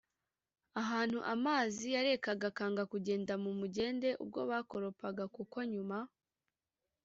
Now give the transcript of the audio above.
ahantu amazi yarekaga akanga kugenda mu mugende ubwo bakoropaga, kuko nyuma